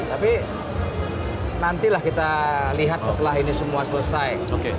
tapi nantilah kita lihat setelah ini semua selesai